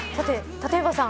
立岩さん